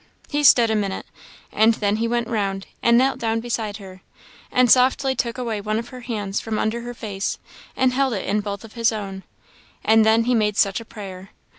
He stood a minute, and then he went round, and knelt down beside her, and softly took away one of her hands from under her face, and held it in both of his own, and then he made such a prayer!